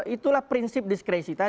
itulah prinsip diskresi tadi